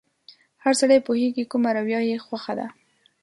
هر سړی پوهېږي کومه رويه يې خوښه ده.